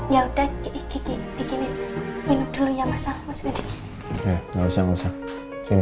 ya udah gigi bikin minum dulu ya masa masa aja nggak usah usah sini